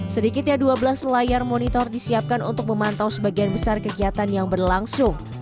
sedikitnya dua belas layar monitor disiapkan untuk memantau sebagian besar kegiatan yang berlangsung